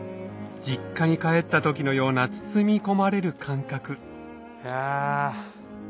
実家に帰った時のような包み込まれる感覚あぁ。